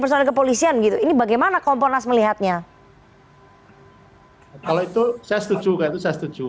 personel kepolisian gitu ini bagaimana komponas melihatnya kalau itu saya setuju